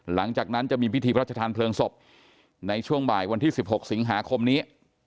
หลังจากนั้นจะมีพิธีพระชธานเพลิงศพในช่วงบ่ายวันที่๑๖สิงหาคมนี้